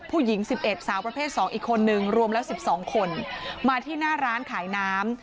ผู้หญิง๑๑สาวประเภท๒อีกคนนึงรวมแล้ว๑๒คนมาที่หน้าร้านขายน้ำ